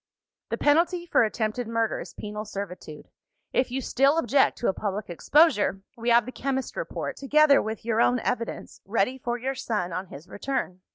"The penalty for attempted murder is penal servitude. If you still object to a public exposure, we have the chemist's report, together with your own evidence, ready for your son on his return.